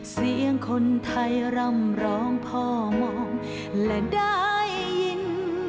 เสียงคนไทยร่ำร้องพ่อมองและได้ยิน